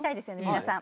皆さん。